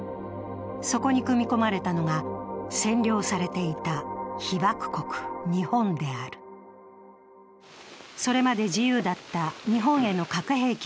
そこに組み込まれたのが占領されていた被爆国・日本であるそれまで自由だった日本への核兵器